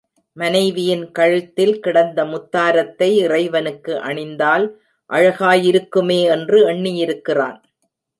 மனைவியின் கழுத்தில் கிடந்த முத்தாரத்தை இறைவனுக்கு அணிந்தால் அழகாயிருக்குமே என்று எண்ணியிருக்கிறான்.